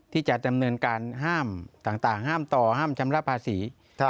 ที่จะดำเนินการห้ามต่างห้ามต่อห้ามชำระภาษี